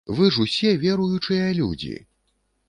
Вы ж усе веруючыя людзі!